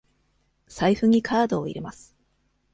財布にカードを入れます。